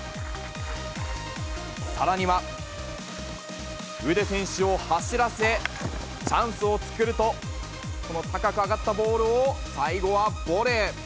さらには、ウデ選手を走らせ、チャンスを作ると、この高く上がったボールを最後はボレー。